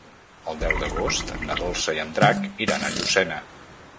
El deu d'agost na Dolça i en Drac iran a Llucena.